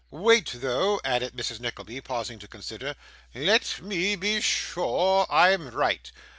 Wait, though,' added Mrs. Nickleby, pausing to consider. 'Let me be sure I'm right.